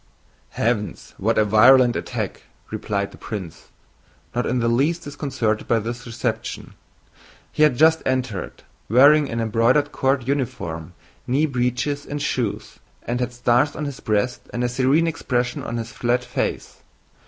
"Heavens! what a virulent attack!" replied the prince, not in the least disconcerted by this reception. He had just entered, wearing an embroidered court uniform, knee breeches, and shoes, and had stars on his breast and a serene expression on his flat face.